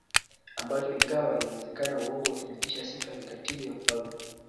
ambacho ingawa inawezekana uongo huthibitisha sifa ya kikatili ya mfalme